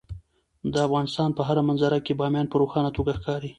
د افغانستان په هره منظره کې بامیان په روښانه توګه ښکاري.